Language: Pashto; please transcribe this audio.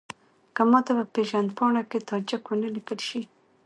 که ماته په پېژندپاڼه کې تاجک ونه لیکل شي.